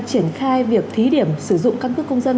triển khai việc thí điểm sử dụng căn cước công dân